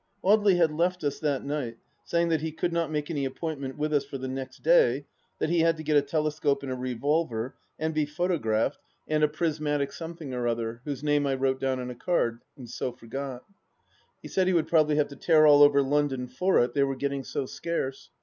Audely had left us that night, saying that he could not make any appointment with us for the next day, that he had to get a telescope and a revolver and be photo graphed and 18 274 THE LAST DITCH a prismatic something or other, whose name I wrote down on a card, so forgot. He said he would probably have to tear all over London for it, they were getting so scarce.